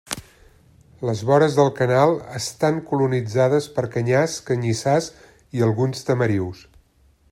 Les vores del canal estan colonitzades per canyars, canyissars i alguns tamarius.